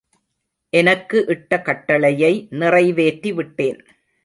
எனக்கு இட்ட கட்டளையை நிறைவேற்றிவிட்டேன்!